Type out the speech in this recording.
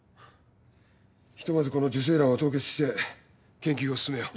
ひとまずこの受精卵は凍結して研究を進めよう。